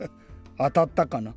あたったかな？